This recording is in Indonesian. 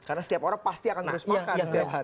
karena setiap orang pasti akan terus makan setiap hari